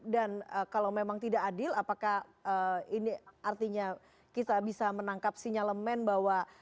dan kalau memang tidak adil apakah ini artinya kita bisa menangkap sinyalemen bahwa